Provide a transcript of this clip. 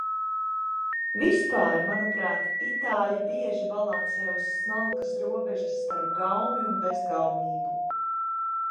Vispār, manuprāt, itāļi bieži balansē uz smalkas robežas starp gaumi un bezgaumību.